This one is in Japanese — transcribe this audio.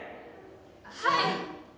はい！